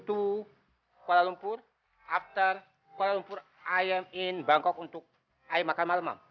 to kuala lumpur after kuala lumpur i am in bangkok untuk air makan malam mam